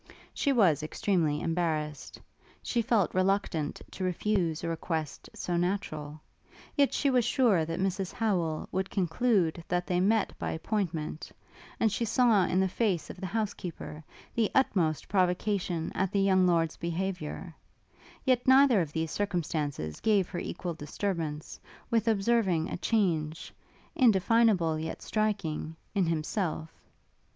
She was extremely embarrassed. She felt reluctant to refuse a request so natural; yet she was sure that Mrs Howel would conclude that they met by appointment; and she saw in the face of the housekeeper the utmost provocation at the young Lord's behaviour: yet neither of these circumstances gave her equal disturbance, with observing a change, indefinable yet striking, in himself.